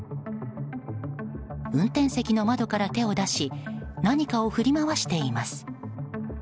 運転席の窓から手を出し何かを振り回しています。